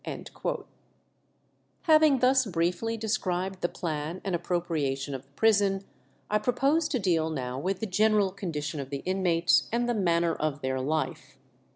" Having thus briefly described the plan and appropriation of the prison, I propose to deal now with the general condition of the inmates, and the manner of their life.